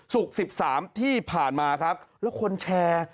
ศุกร์๑๓ที่ผ่านมาครับแล้วคนแชร์